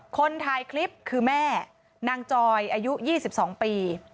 คนถ่ายคลิปคือแม่นางจอยอายุ๒๒ปี